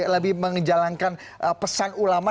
lebih menjalankan pesan ulama